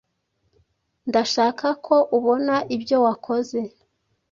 Ndashaka ko ubona ibyo wakoze.